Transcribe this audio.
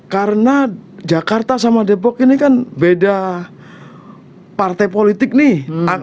karena jakarta sama depok ini kan beda partai politik nih